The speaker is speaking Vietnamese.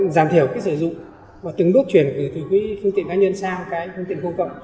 giảm thiểu sử dụng và từng bước chuyển từ phương tiện cá nhân sang phương tiện công cộng